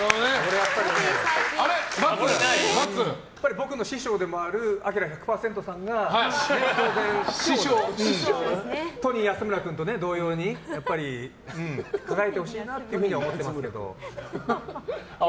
僕の師匠でもあるアキラ１００％さんがトニー安村さんと同様に輝いてほしいなとは思ってますけど。